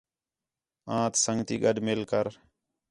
آنت سنڳتی گݙ مل کر